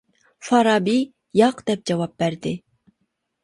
فارابى : «ياق» دەپ جاۋاب بەردى.